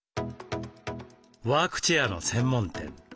ワークチェアの専門店。